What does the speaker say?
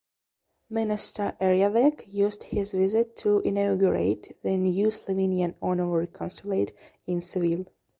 Minister Erjavec used his visit to inaugurate the new Slovenian honorary consulate in Seville.